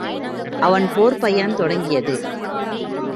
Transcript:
அவன் போர்ப் பயணம் தொடங்கியது.